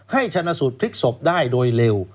ชนะสูตรพลิกศพได้โดยเร็ว